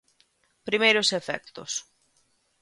Primeiros efectos.